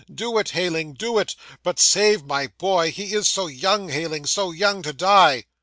Do it, Heyling, do it, but save my boy; he is so young, Heyling, so young to die!"